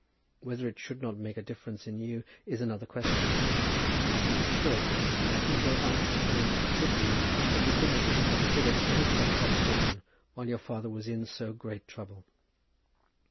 Whether it should not make a difference in you is another question. I think it should; and I think your answer to him should be that you could not even consider any such proposition while your father was in so great trouble.